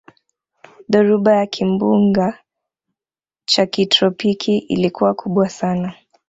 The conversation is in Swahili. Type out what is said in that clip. dhoruba ya kimbunga cha kitropiki ilikuwa kubwa sana